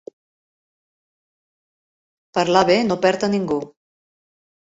Parlar bé no perd a ningú.